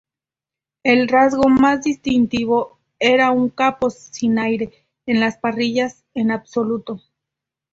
El rasgo más distintivo era un capó sin aire en las parrillas en absoluto.